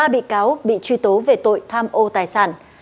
ba bị cáo bị truy tố về tội tham ô tài sản